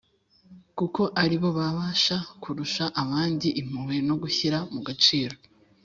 kuko ari bo babasha kurusha abandi impuhwe no gushyira mu gaciro